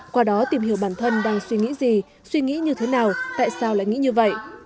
qua đó tìm hiểu bản thân đang suy nghĩ gì suy nghĩ như thế nào tại sao lại nghĩ như vậy